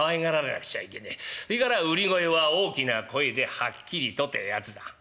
それから売り声は大きな声ではっきりとてぇやつだ」。